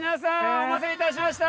お待たせいたしました！